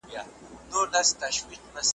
ملیاره ړوند یې که په پښو شل یې `